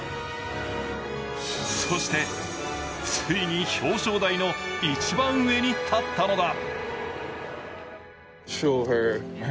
そして、ついに表彰台の一番上に立ったのだ。